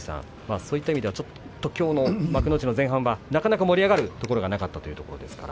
そういった意味ではちょっときょうの幕内の前半はなかなか盛り上がるところがなかったというところですから。